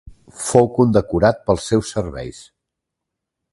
Fou condecorat pels seus serveis.